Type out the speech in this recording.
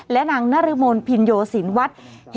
และนางนรมนพินโยสินวัฒน์